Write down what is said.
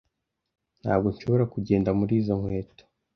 Ntabwo nshobora kugenda muri izo nkweto.